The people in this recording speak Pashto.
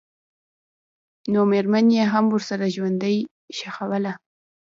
نومېرمن یې هم ورسره ژوندۍ ښخوله.